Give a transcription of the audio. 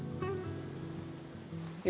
seorang imam berjalan di atas kain putih